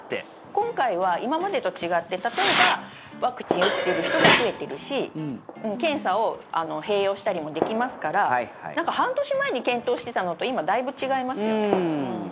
今回は今までと違って例えばワクチン打っている人が増えているし検査を併用したりもできますから半年前に検討していたのと今、だいぶ違いますよね。